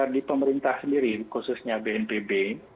di pemerintah sendiri khususnya bnpb